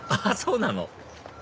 あっそうなの？